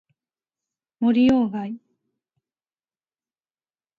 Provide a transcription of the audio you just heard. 森鴎外